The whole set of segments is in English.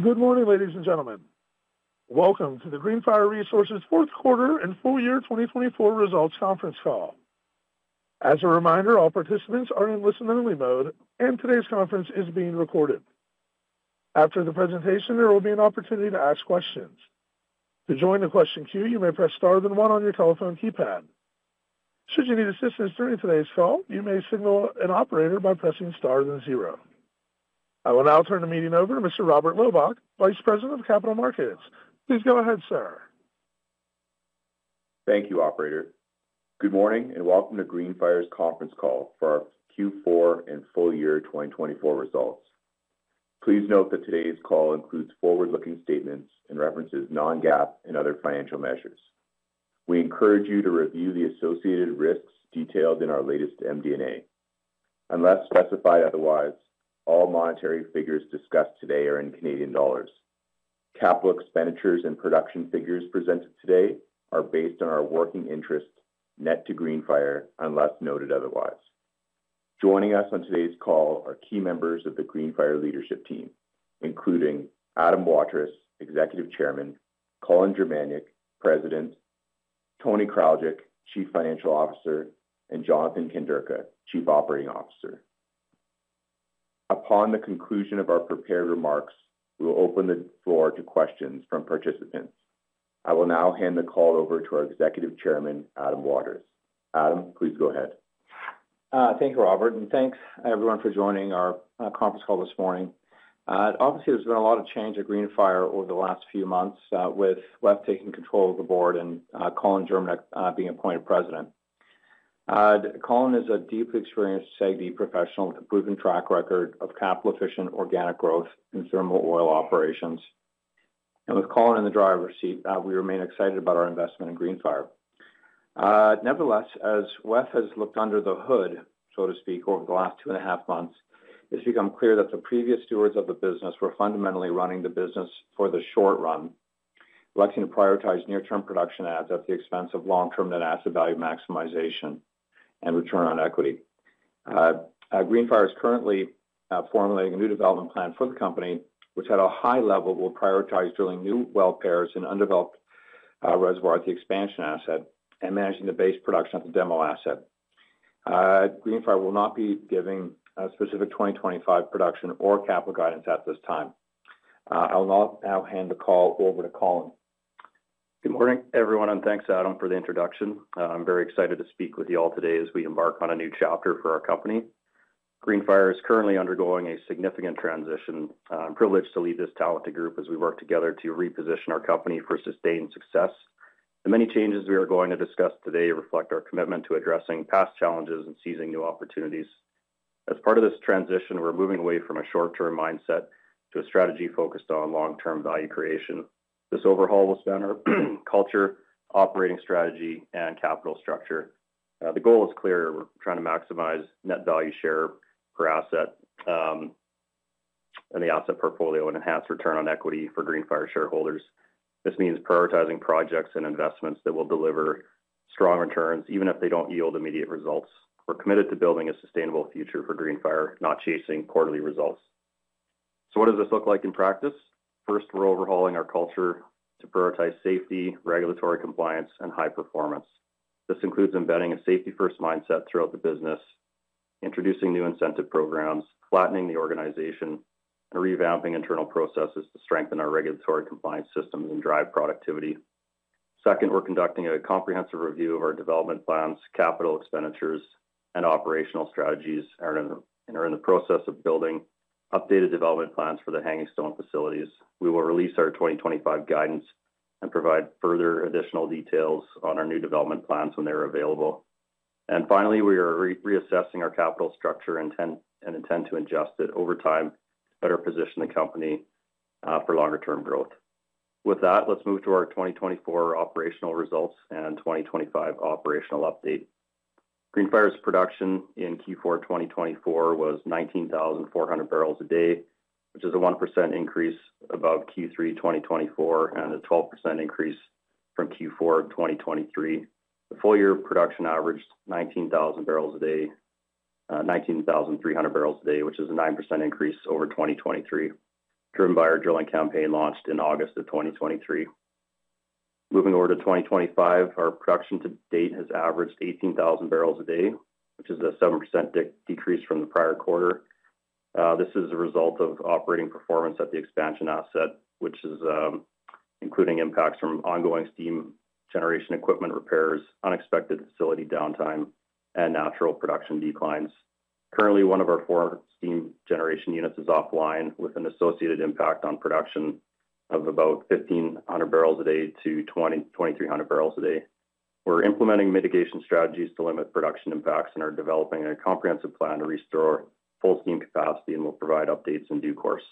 Good morning, ladies and gentlemen. Welcome to the Greenfire Resources Fourth Quarter and Full Year 2024 Results Conference Call. As a reminder, all participants are in listen-only mode, and today's conference is being recorded. After the presentation, there will be an opportunity to ask questions. To join the question queue, you may press star then one on your telephone keypad. Should you need assistance during today's call, you may signal an operator by pressing star then zero. I will now turn the meeting over to Mr. Robert Loebach, Vice President of Capital Markets. Please go ahead, sir. Thank you, Operator. Good morning and welcome to Greenfire's conference call for our Q4 and full year 2024 results. Please note that today's call includes forward-looking statements and references non-GAAP and other financial measures. We encourage you to review the associated risks detailed in our latest MD&A. Unless specified otherwise, all monetary figures discussed today are in CAD. Capital expenditures and production figures presented today are based on our working interest net to Greenfire, unless noted otherwise. Joining us on today's call are key members of the Greenfire leadership team, including Adam Waterous, Executive Chairman; Colin Germaniuk, President; Tony Kraljic, Chief Financial Officer; and Jonathan Kanderka, Chief Operating Officer. Upon the conclusion of our prepared remarks, we will open the floor to questions from participants. I will now hand the call over to our Executive Chairman, Adam Waterous. Adam, please go ahead. Thank you, Robert, and thanks everyone for joining our conference call this morning. Obviously, there has been a lot of change at Greenfire over the last few months, with WEF taking control of the board and Colin Germaniuk being appointed President. Colin is a deeply experienced SAGD professional with a proven track record of capital-efficient organic growth in thermal oil operations. With Colin in the driver's seat, we remain excited about our investment in Greenfire. Nevertheless, as WEF has looked under the hood, so to speak, over the last two and a half months, it has become clear that the previous stewards of the business were fundamentally running the business for the short run, electing to prioritize near-term production adds at the expense of long-term net asset value maximization and return on equity. Greenfire is currently formulating a new development plan for the company, which at a high level will prioritize drilling new well pairs in undeveloped reservoir at the Expansion Asset and managing the base production at the Demo Asset. Greenfire will not be giving specific 2025 production or capital guidance at this time. I will now hand the call over to Colin. Good morning, everyone, and thanks, Adam, for the introduction. I'm very excited to speak with you all today as we embark on a new chapter for our company. Greenfire is currently undergoing a significant transition. I'm privileged to lead this talented group as we work together to reposition our company for sustained success. The many changes we are going to discuss today reflect our commitment to addressing past challenges and seizing new opportunities. As part of this transition, we're moving away from a short-term mindset to a strategy focused on long-term value creation. This overhaul will center culture, operating strategy, and capital structure. The goal is clear. We're trying to maximize Net Asset Value per share in the asset portfolio and enhance return on equity for Greenfire shareholders. This means prioritizing projects and investments that will deliver strong returns, even if they don't yield immediate results. We're committed to building a sustainable future for Greenfire, not chasing quarterly results. What does this look like in practice? First, we're overhauling our culture to prioritize safety, regulatory compliance, and high performance. This includes embedding a safety-first mindset throughout the business, introducing new incentive programs, flattening the organization, and revamping internal processes to strengthen our regulatory compliance systems and drive productivity. Second, we're conducting a comprehensive review of our development plans, capital expenditures, and operational strategies, and are in the process of building updated development plans for the Hangingstone facilities. We will release our 2025 guidance and provide further additional details on our new development plans when they're available. Finally, we are reassessing our capital structure and intend to adjust it over time to better position the company for longer-term growth. With that, let's move to our 2024 operational results and 2025 operational update. Greenfire's production in Q4 2024 was 19,400 bpd, which is a 1% increase above Q3 2024 and a 12% increase from Q4 2023. The full-year production averaged 19,000 bpd, 19,300 bpd, which is a 9% increase over 2023, driven by our drilling campaign launched in August of 2023. Moving over to 2025, our production to date has averaged 18,000 bpd, which is a 7% decrease from the prior quarter. This is a result of operating performance at the Expansion Asset, which is including impacts from ongoing steam generation equipment repairs, unexpected facility downtime, and natural production declines. Currently, one of our four steam generation units is offline, with an associated impact on production of about 1,500 bpd-2,300 bpd. We're implementing mitigation strategies to limit production impacts and are developing a comprehensive plan to restore full steam capacity and will provide updates in due course.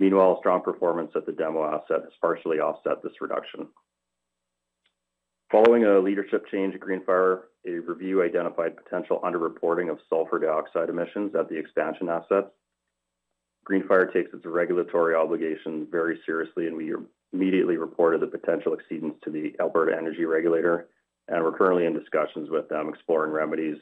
Meanwhile, strong performance at the Demo Asset has partially offset this reduction. Following a leadership change at Greenfire, a review identified potential underreporting of sulphur dioxide emissions at the Expansion Asset. Greenfire takes its regulatory obligations very seriously, and we immediately reported the potential exceedance to the Alberta Energy Regulator, and we're currently in discussions with them exploring remedies,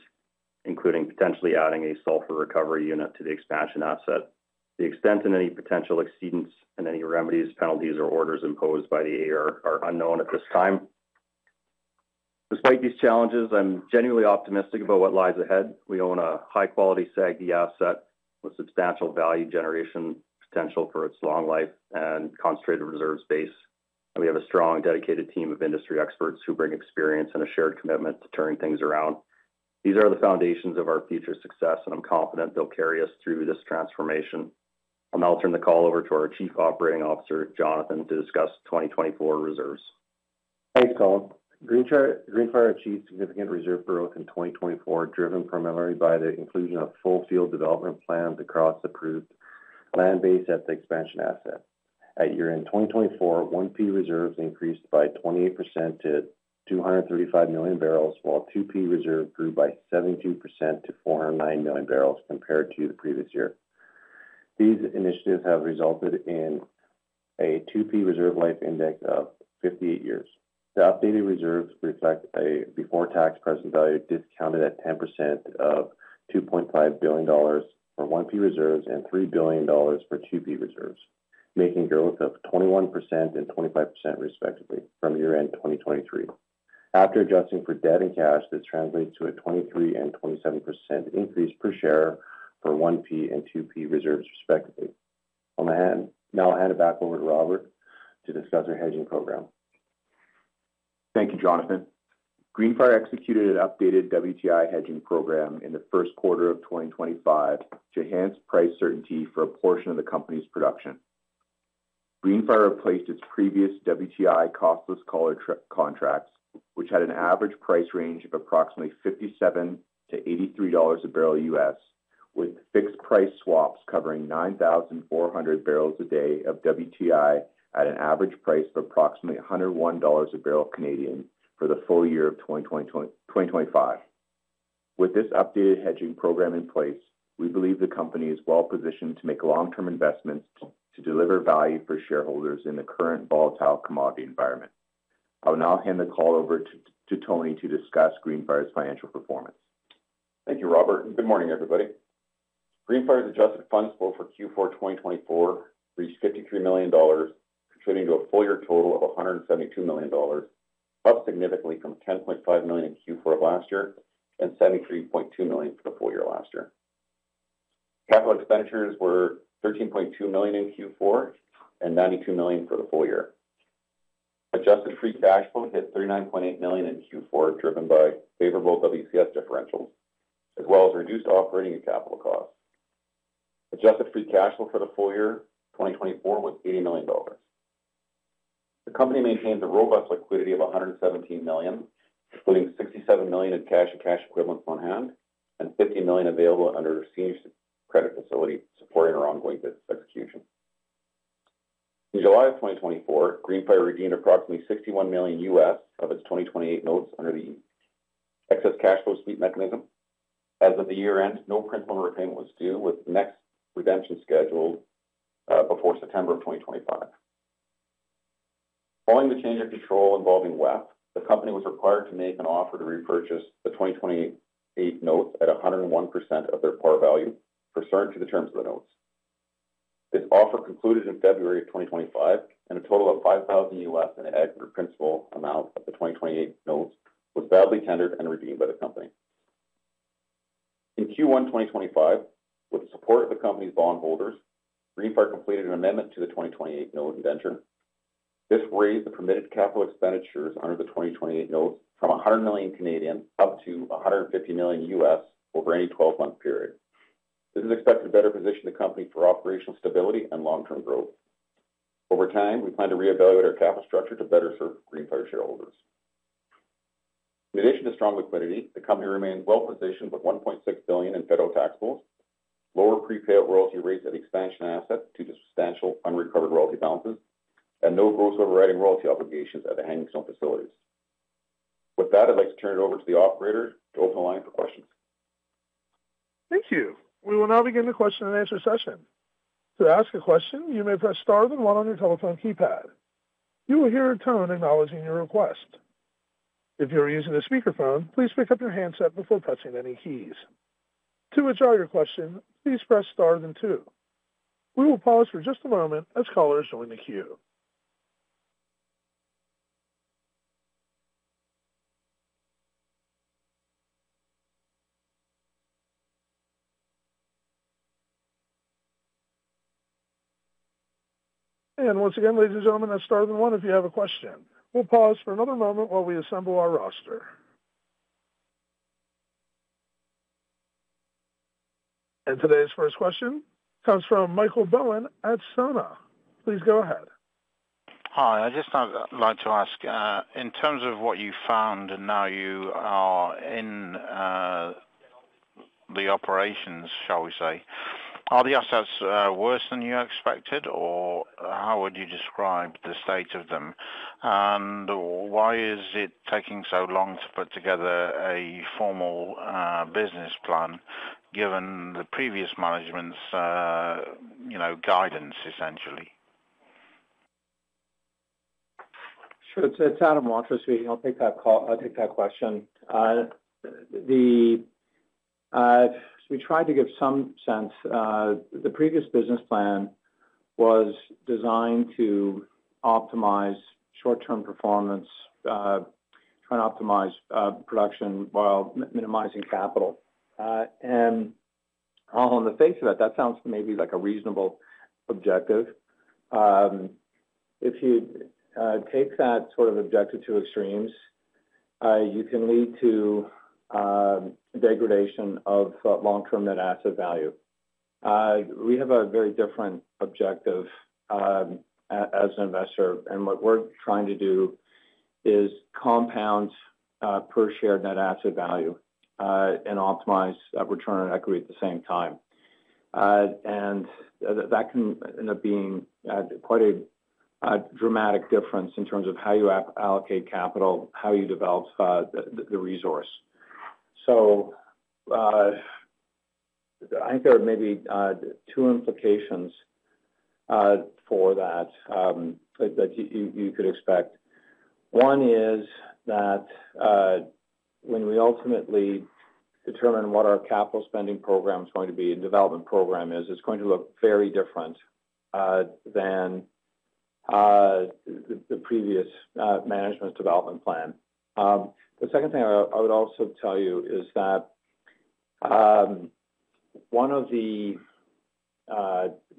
including potentially adding a sulphur recovery unit to the Expansion Asset. The extent of any potential exceedance and any remedies, penalties, or orders imposed by the Alberta Energy Regulator are unknown at this time. Despite these challenges, I'm genuinely optimistic about what lies ahead. We own a high-quality SAGD asset with substantial value generation potential for its long life and concentrated reserves base. We have a strong, dedicated team of industry experts who bring experience and a shared commitment to turning things around. These are the foundations of our future success, and I'm confident they'll carry us through this transformation. I'll now turn the call over to our Chief Operating Officer, Jonathan Kanderka, to discuss 2024 reserves. Thanks, Colin. Greenfire achieved significant reserve growth in 2024, driven primarily by the inclusion of full field development plans across approved land base at the Expansion Asset. At year-end 2024, 1P reserves increased by 28% to 235 MMbbl, while 2P reserves grew by 72% to 409 MMbbl compared to the previous year. These initiatives have resulted in a 2P reserve life index of 58 years. The updated reserves reflect a before-tax present value discounted at 10% of 2.5 billion dollars for 1P reserves and 3 billion dollars for 2P reserves, making growth of 21% and 25% respectively from year-end 2023. After adjusting for debt and cash, this translates to a 23% and 27% increase per share for 1P and 2P reserves respectively. I'll now hand it back over to Robert to discuss our hedging program. Thank you, Jonathan. Greenfire executed an updated WTI hedging program in the first quarter of 2025 to enhance price certainty for a portion of the company's production. Greenfire replaced its previous WTI costless collar contracts, which had an average price range of approximately $57-$83 a barrel US, with fixed price swaps covering 9,400 bpd of WTI at an average price of approximately 101 dollars a barrel for the full year of 2025. With this updated hedging program in place, we believe the company is well positioned to make long-term investments to deliver value for shareholders in the current volatile commodity environment. I will now hand the call over to Tony to discuss Greenfire's financial performance. Thank you, Robert. Good morning, everybody. Greenfire's adjusted funds flow for Q4 2024 reached 53 million dollars, contributing to a full year total of 172 million dollars, up significantly from 10.5 million in Q4 of last year and 73.2 million for the full year last year. Capital expenditures were 13.2 million in Q4 and 92 million for the full year. Adjusted free cash flow hit 39.8 million in Q4, driven by favorable WCS differentials, as well as reduced operating and capital costs. Adjusted free cash flow for the full year 2024 was 80 million dollars. The company maintains a robust liquidity of 117 million, including 67 million in cash and cash equivalents on hand and 50 million available under a senior credit facility supporting our ongoing business execution. In July of 2024, Greenfire redeemed approximately $61 million of its 2028 notes under the excess cash flow sweep mechanism. As of the year-end, no principal repayment was due, with next redemption scheduled before September of 2025. Following the change of control involving WEF, the company was required to make an offer to repurchase the 2028 notes at 101% of their par value, for certainty of the terms of the notes. This offer concluded in February of 2025, and a total of $5,000 in an aggregate principal amount of the 2028 notes was validly tendered and redeemed by the company. In Q1 2025, with the support of the company's bondholders, Greenfire completed an amendment to the 2028 notes indenture. This raised the permitted capital expenditures under the 2028 notes from 100 million up to $150 million over any 12-month period. This is expected to better position the company for operational stability and long-term growth. Over time, we plan to reevaluate our capital structure to better serve Greenfire shareholders. In addition to strong liquidity, the company remains well positioned with 1.6 billion in federal tax pools, lower prepayout royalty rates at Expansion Assets due to substantial unrecovered royalty balances, and no gross overriding royalty obligations at the Hangingstone facilities. With that, I'd like to turn it over to the operator to open the line for questions. Thank you. We will now begin the question-and-answer session. To ask a question, you may press star then one on your telephone keypad. You will hear a tone acknowledging your request. If you are using a speakerphone, please pick up your handset before pressing any keys. To withdraw your question, please press star then two. We will pause for just a moment as callers join the queue. Once again, ladies and gentlemen, that is star then one if you have a question. We will pause for another moment while we assemble our roster. Today's first question comes from Michael Bowen at Sona. Please go ahead. Hi, I just like to ask, in terms of what you found and now you are in the operations, shall we say, are the assets worse than you expected, or how would you describe the state of them? Why is it taking so long to put together a formal business plan given the previous management's guidance, essentially? Sure. It's Adam Waterous. I'll take that question. We tried to give some sense. The previous business plan was designed to optimize short-term performance, trying to optimize production while minimizing capital. On the face of it, that sounds maybe like a reasonable objective. If you take that sort of objective to extremes, you can lead to degradation of long-term net asset value. We have a very different objective as an investor, and what we're trying to do is compound per share net asset value and optimize return on equity at the same time. That can end up being quite a dramatic difference in terms of how you allocate capital, how you develop the resource. I think there are maybe two implications for that that you could expect. One is that when we ultimately determine what our capital spending program is going to be and development program is, it is going to look very different than the previous management's development plan. The second thing I would also tell you is that one of the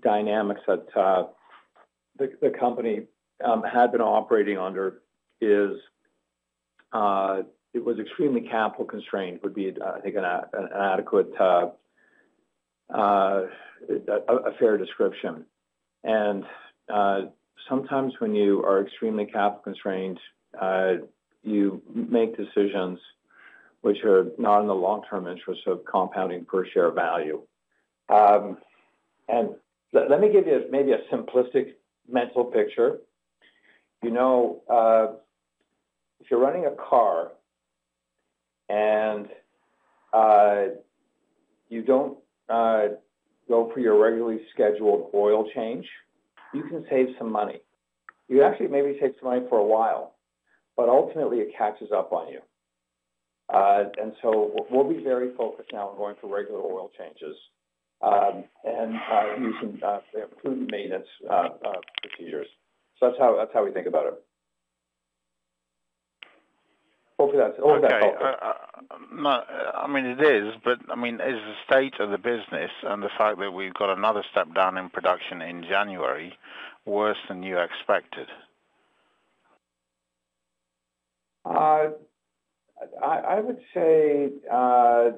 dynamics that the company had been operating under was extremely capital constrained, would be, I think, an adequate, a fair description. Sometimes when you are extremely capital constrained, you make decisions which are not in the long-term interest of compounding per share value. Let me give you maybe a simplistic mental picture. If you are running a car and you do not go for your regularly scheduled oil change, you can save some money. You actually maybe save some money for a while, but ultimately it catches up on you. We will be very focused now on going for regular oil changes and using prudent maintenance procedures. That is how we think about it. Hopefully, that is helpful. I mean, it is, but I mean, is the state of the business and the fact that we've got another step down in production in January worse than you expected? I would say, I'll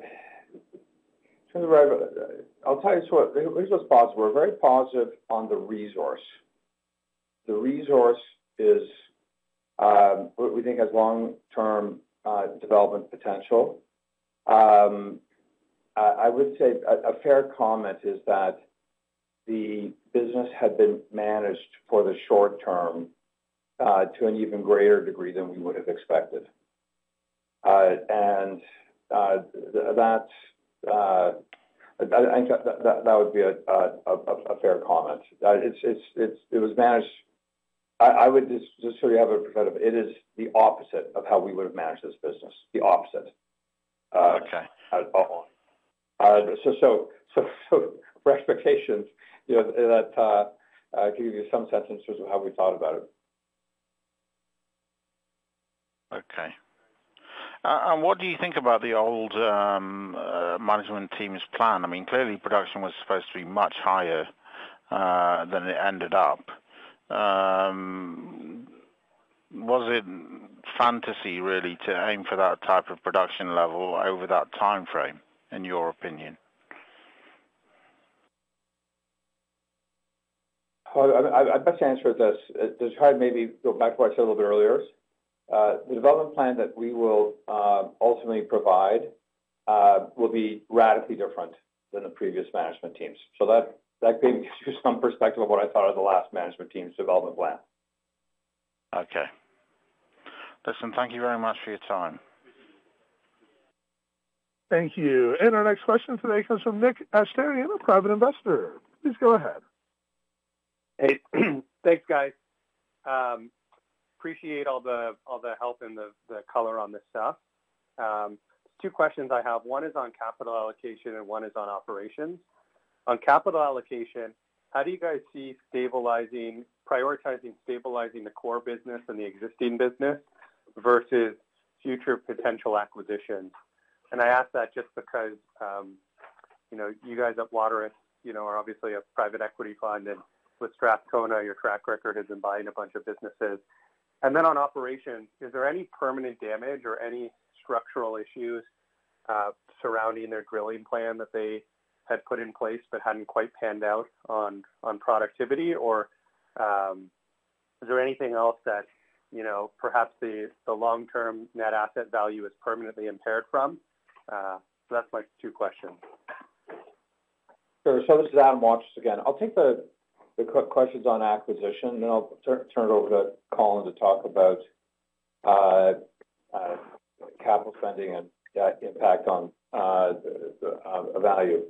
tell you what's positive. We're very positive on the resource. The resource is, we think, has long-term development potential. I would say a fair comment is that the business had been managed for the short term to an even greater degree than we would have expected. That would be a fair comment. It was managed. I would just sort of have a perspective. It is the opposite of how we would have managed this business, the opposite. Okay. For expectations, that could give you some sense in terms of how we thought about it. Okay. What do you think about the old management team's plan? I mean, clearly, production was supposed to be much higher than it ended up. Was it fantasy, really, to aim for that type of production level over that time frame, in your opinion? I'd like to answer this. To try and maybe go back to what I said a little bit earlier, the development plan that we will ultimately provide will be radically different than the previous management team's. That maybe gives you some perspective of what I thought of the last management team's development plan. Okay. Listen, thank you very much for your time. Thank you. Our next question today comes from Nick Asterion, a private investor. Please go ahead. Hey. Thanks, guys. Appreciate all the help and the color on this stuff. Two questions I have. One is on capital allocation, and one is on operations. On capital allocation, how do you guys see prioritizing stabilizing the core business and the existing business versus future potential acquisitions? I ask that just because you guys at Waterous are obviously a private equity fund, and with Strathcona, your track record has been buying a bunch of businesses. On operations, is there any permanent damage or any structural issues surrounding their drilling plan that they had put in place but had not quite panned out on productivity? Is there anything else that perhaps the long-term net asset value is permanently impaired from? That's my two questions. Sure. This is Adam Waterous, again. I'll take the questions on acquisition, and then I'll turn it over to Colin to talk about capital spending and that impact on value.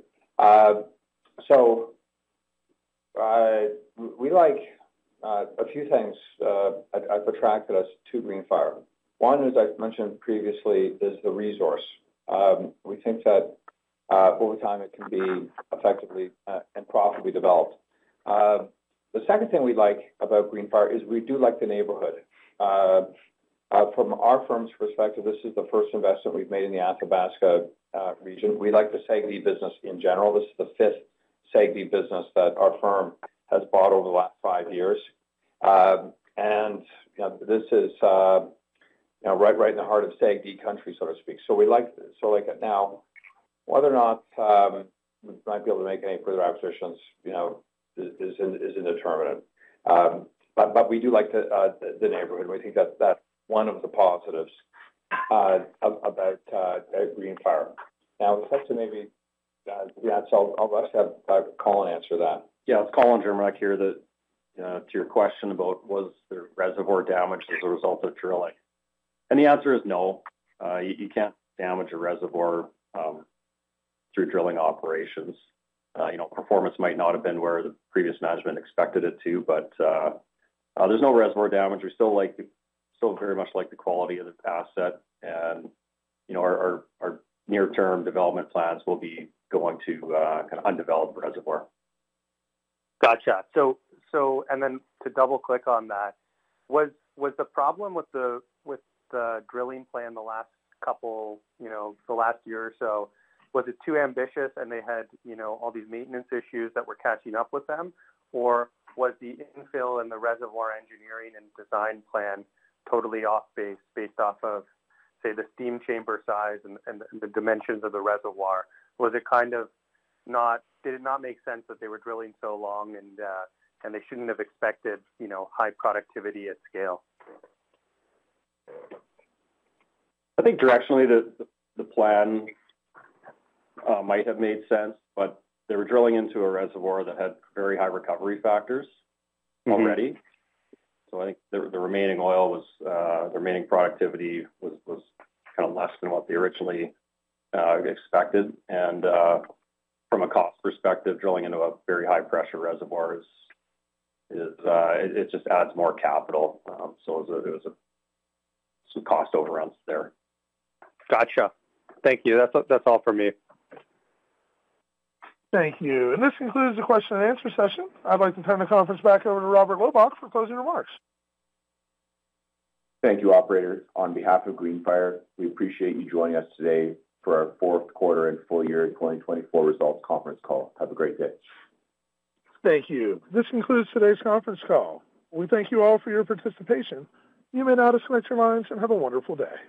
We like a few things that attracted us to Greenfire. One is, as I mentioned previously, the resource. We think that over time it can be effectively and profitably developed. The second thing we like about Greenfire is we do like the neighborhood. From our firm's perspective, this is the first investment we've made in the Athabasca region. We like the SAGD business in general. This is the fifth SAGD business that our firm has bought over the last five years. This is right in the heart of SAGD country, so to speak. Now, whether or not we might be able to make any further acquisitions is indeterminate. We do like the neighborhood. We think that's one of the positives about Greenfire. Now, with that said, maybe I'll actually have Colin answer that. Yeah. It's Colin Germaniuk here that, to your question about was there reservoir damage as a result of drilling? The answer is no. You can't damage a reservoir through drilling operations. Performance might not have been where the previous management expected it to, but there's no reservoir damage. We still very much like the quality of the asset, and our near-term development plans will be going to kind of undeveloped reservoir. Gotcha. To double-click on that, was the problem with the drilling plan the last couple of the last year or so, was it too ambitious and they had all these maintenance issues that were catching up with them? Was the infill and the reservoir engineering and design plan totally off base based off of, say, the steam chamber size and the dimensions of the reservoir? Was it kind of not, did it not make sense that they were drilling so long and they shouldn't have expected high productivity at scale? I think directionally, the plan might have made sense, but they were drilling into a reservoir that had very high recovery factors already. I think the remaining oil, the remaining productivity was kind of less than what they originally expected. From a cost perspective, drilling into a very high-pressure reservoir just adds more capital. There was some cost overruns there. Gotcha. Thank you. That's all for me. Thank you. This concludes the question-and-answer session. I'd like to turn the conference back over to Robert Loebach for closing remarks. Thank you, operator, on behalf of Greenfire. We appreciate you joining us today for our Fourth Quarter and Full Year 2024 Results Conference Call. Have a great day. Thank you. This concludes today's conference call. We thank you all for your participation. You may now disconnect your lines and have a wonderful day.